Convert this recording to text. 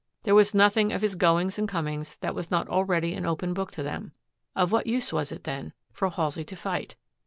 There was nothing of his goings and comings that was not already an open book to them. Of what use was it, then, for Halsey to fight!